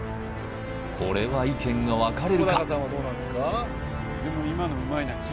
これは意見が分かれるか？